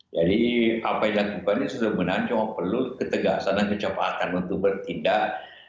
jadi apa yang dilakukan ini sebenarnya cuma perlu ketegasan dan kecepatan untuk bertindak